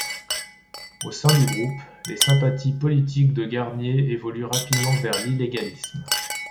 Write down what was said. Au sein du groupe, les sympathies politiques de Garnier évoluent rapidement vers l'illégalisme.